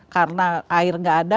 karena air nggak ada